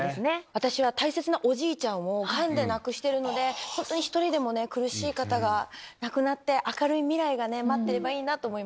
私は大切なおじいちゃんをがんで亡くしてるので本当に１人でも苦しい方がいなくなって明るい未来が待ってればいいなと思います。